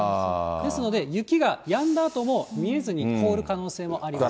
ですので、雪がやんだあとも見えずに凍る可能性があります。